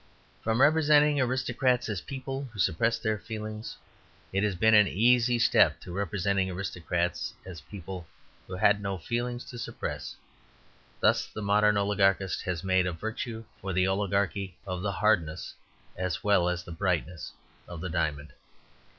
From representing aristocrats as people who suppressed their feelings, it has been an easy step to representing aristocrats as people who had no feelings to suppress. Thus the modern oligarchist has made a virtue for the oligarchy of the hardness as well as the brightness of the diamond.